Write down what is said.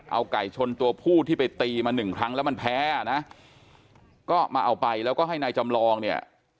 เอาไก่ชนตัวผู้ที่ไปตีมาหนึ่งครั้งแล้วมันแพ้อ่ะนะก็มาเอาไปแล้วก็ให้นายจำลองเนี่ย